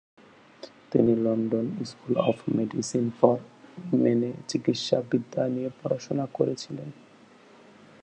তিনি London School of Medicine for উইমেনে চিকিৎসাবিদ্যা নিয়ে পড়াশোনা করেছিলেন।